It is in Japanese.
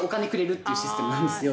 っていうシステムなんですよ。